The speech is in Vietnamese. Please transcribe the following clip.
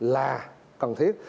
là cần thiết